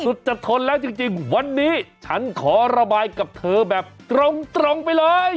สุดจะทนแล้วจริงวันนี้ฉันขอระบายกับเธอแบบตรงไปเลย